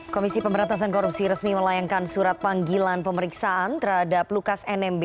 komisi pemberantasan korupsi resmi melayangkan surat panggilan pemeriksaan terhadap lukas nmb